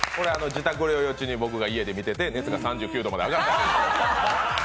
自宅療養中に家で見てて熱が３９度まで上がった。